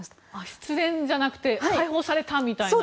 失恋じゃなくて解放された！みたいな。